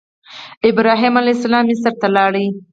ابراهیم علیه السلام مصر ته لاړ.